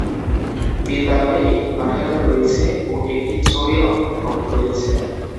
বিদ্যালয়ে একটি পাঠাগার রয়েছে ও একটি ছবি অঙ্কন কক্ষ রয়েছে।